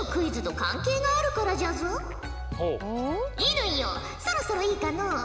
乾よそろそろいいかのう？